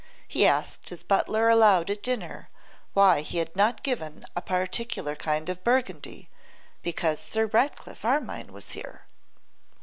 He asked his butler aloud at dinner why he had not given a particular kind of Burgundy, because Sir Ratcliffe Armine was here.